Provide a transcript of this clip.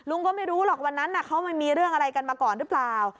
ก็ไม่รู้หรอกวันนั้นเขาไม่มีเรื่องอะไรกันมาก่อนหรือเปล่า